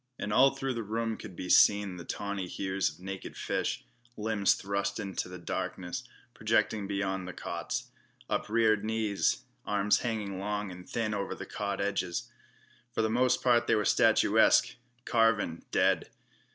And all through the room could be seen the tawny hues of naked flesh, limbs thrust into the darkness, projecting beyond the cots; upreared knees, arms hanging long and thin over the cot edges. For the most part they were statuesque, carven, dead.